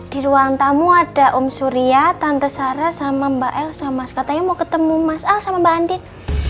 di ruang tamu ada om surya tante sarah sama mbak elsa mas katanya mau ketemu mas al sama mbak andi